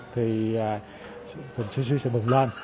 thì bệnh sốt xuất huyết sẽ bồng lên